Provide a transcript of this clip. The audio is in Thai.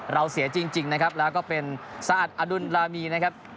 เราเสียจริงนะครับแล้วก็เป็นสะอัดอดุลรามีนะครับ